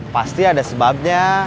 pasti ada sebabnya